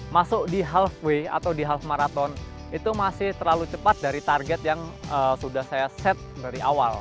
masuk di halfway atau di half marathon itu masih terlalu cepat dari target yang sudah saya set dari awal